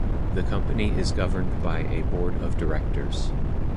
The company is governed by a board of directors.